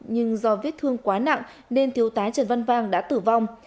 nhưng do vết thương quá nặng nên thiếu tá trần văn vang đã tử vong